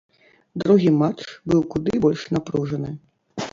Другі матч быў куды больш напружаны.